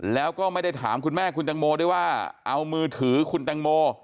แล้วก็ไม่ได้ถามคุณแม่คุณตังโมด้วยว่าเอามือถือคุณแตงโม